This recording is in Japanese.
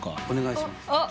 お願いします。